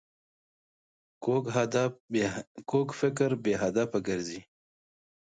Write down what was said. کوږ فکر بې هدفه ګرځي